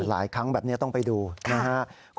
หลายครั้งแบบนี้ต้องไปดูนะครับ